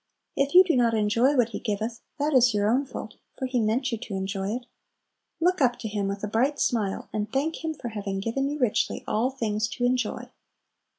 If you do not enjoy what He "giveth," that is your own fault, for He meant you to enjoy it. Look up to Him with a bright smile, and thank Him for having given you richly all things to enjoy!